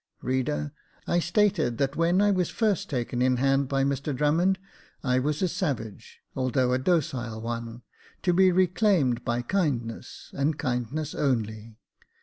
Reader, I stated that when I was first taken in hand by Mr Drummond I was a savage, although a docile one, to be reclaimed by kindness, and kind ness only.